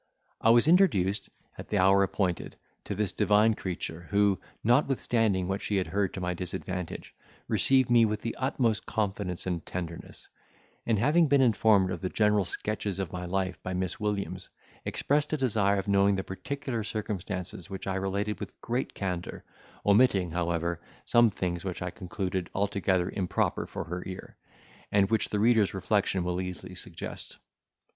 I was introduced, at the hour appointed, to this divine creature, who, notwithstanding what she had heard to my disadvantage, received me with the utmost confidence and tenderness; and, having been informed of the general sketches of my life by Miss Williams, expressed a desire, of knowing the particular circumstances, which I related with great candour, omitting, however, some things which I concluded altogether improper for her ear, and which the reader's reflection will easily suggest.